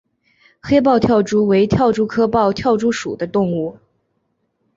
黑豹跳蛛为跳蛛科豹跳蛛属的动物。